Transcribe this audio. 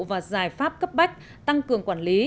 và giải pháp cấp bách tăng cường quản lý